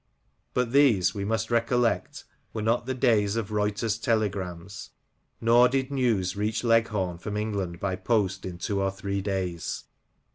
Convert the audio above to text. But these, we must recollect, were not the days of Reuter's telegrams, nor did news reach Leghorn from England by post in two or three days.